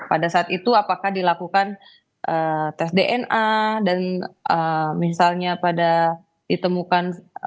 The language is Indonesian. pada saat itu apakah dilakukan tes dna dan misalnya pada ditemukan